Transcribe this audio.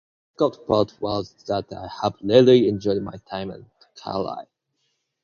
The difficult part was that I have really enjoyed my time at Carlisle.